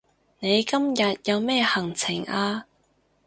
你今日有咩行程啊